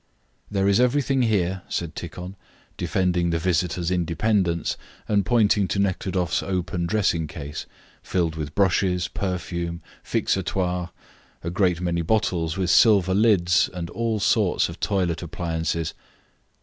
"There is everything here," said Tikhon, defending the visitor's independence, and pointing to Nekhludoff's open dressing case filled with brushes, perfume, fixatoire, a great many bottles with silver lids and all sorts of toilet appliances.